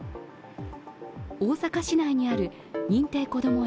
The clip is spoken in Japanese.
大阪市内にある認定こども園